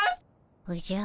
おじゃ。